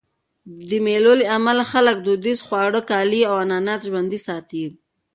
د مېلو له امله خلک خپل دودیز خواړه، کالي او عنعنات ژوندي ساتي.